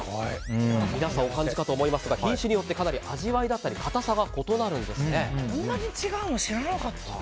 皆さん、お感じかと思いますが品種によってかなり味わいだったりこんなに違うの知らなかった。